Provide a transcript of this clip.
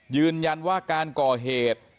ยืนยันว่าการก่อเหตุ